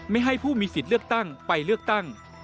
ให้ผู้มีสิทธิ์เลือกตั้งไปเลือกตั้ง